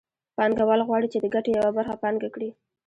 پانګوال غواړي چې د ګټې یوه برخه پانګه کړي